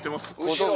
後ろ！